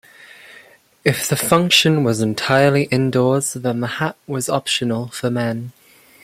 If the function was entirely indoors then the hat was optional for men.